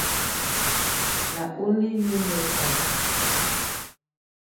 Na only you no sabi.